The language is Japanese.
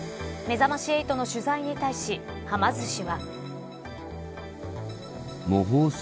めざまし８の取材に対しはま寿司は。